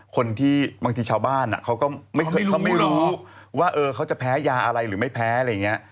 คนที่บางทีชาวบ้านเขาก็ไม่เคยเขาไม่รู้ว่าเขาจะแพ้ยาอะไรหรือไม่แพ้อะไรอย่างนี้